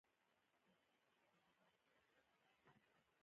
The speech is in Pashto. کله چې شواب د قرارداد لپاره وبلل شو.